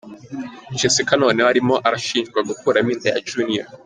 Jessica noneho arimo arashijwa gukuramo inda ya Junior.